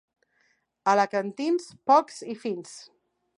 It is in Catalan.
Alacantins, pocs i fins.